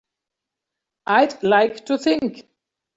I'd like to think.